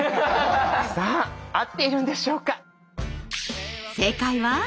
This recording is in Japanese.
さあ合っているんでしょうか。